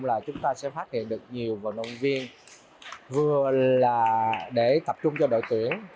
là chúng ta sẽ phát hiện được nhiều vận động viên vừa là để tập trung cho đội tuyển